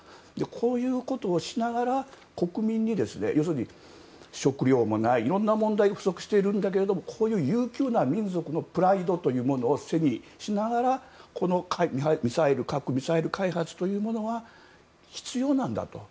こういうことをしながら国民に、要するに食料もない不足しているんだけども優秀な民族のプライドというものを背にしながらこの核・ミサイル開発というものは必要なんだと。